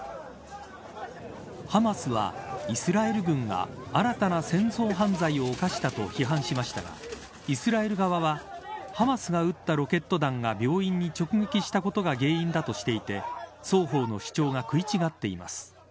ハマスはイスラエル軍が新たな戦争犯罪を犯したと批判しましたがイスラエル側はハマスが撃ったロケット弾が病院に直撃したことが原因だとしていて双方の主張が食い違っています。